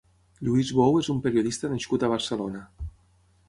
Lluís Bou és un periodista nascut a Barcelona.